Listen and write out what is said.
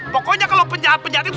pokoknya kalau penjahat penjahat